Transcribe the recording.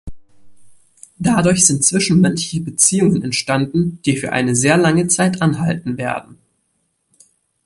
Dadurch sind zwischenmenschliche Beziehungen entstanden, die für eine sehr lange Zeit anhalten werden.